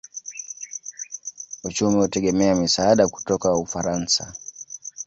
Uchumi hutegemea misaada kutoka Ufaransa.